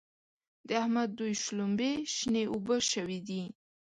د احمد دوی شلومبې شنې اوبه شوې دي.